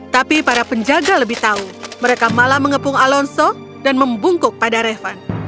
tapi para penjaga lebih tahu mereka malah mengepung alonso dan membungkuk pada revan